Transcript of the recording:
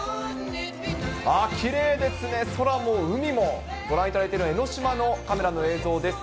きれいですね、空も海も、ご覧いただいているのは江の島のカメラの映像です。